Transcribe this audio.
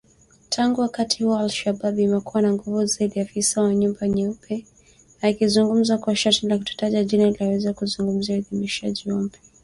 Tangu wakati huo al-Shabaab imekuwa na nguvu zaidi ya afisa wa nyumba nyeupe, akizungumza kwa sharti la kutotajwa jina ili aweze kuzungumzia uidhinishaji huo mpya.